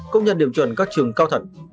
công nhận điểm chuẩn các trường cao thật